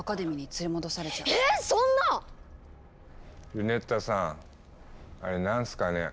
ルネッタさんあれ何すかね？